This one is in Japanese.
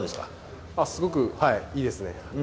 すごくいいですね。